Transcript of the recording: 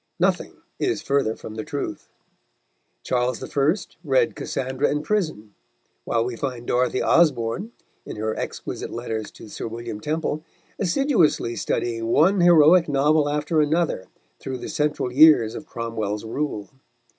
Nothing is further from the truth. Charles I. read Cassandra in prison, while we find Dorothy Osborne, in her exquisite letters to Sir William Temple, assiduously studying one heroic novel after another through the central years of Cromwell's rule.